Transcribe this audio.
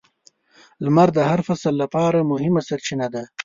• لمر د هر فصل لپاره مهمه سرچینه ده.